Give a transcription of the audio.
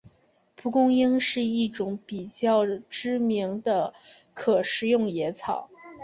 蒲公英是一种比较知名的可食用野草。